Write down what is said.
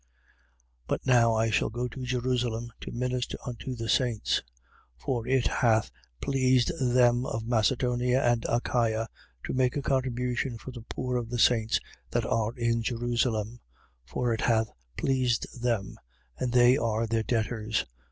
15:25. But now I shall go to Jerusalem, to minister unto the saints. 15:26. For it hath pleased them of Macedonia and Achaia to make a contribution for the poor of the saints that are in Jerusalem. 15:27. For it hath pleased them: and they are their debtors.